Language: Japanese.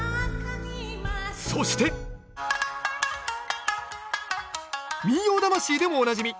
そして「民謡魂」でもおなじみ